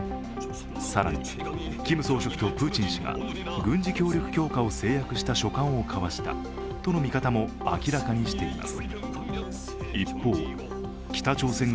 更に、キム総書記とプーチン氏は軍事協力強化を誓約した書簡を交わしたとの見方も明らかにしています。